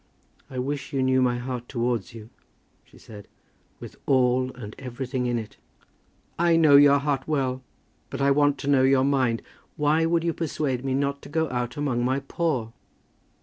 "I wish you knew my heart towards you," she said, "with all and everything in it." "I know your heart well, but I want to know your mind. Why would you persuade me not to go out among my poor?"